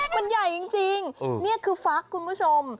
มันใหญ่จริงนี่คือฟักคุณผู้ชม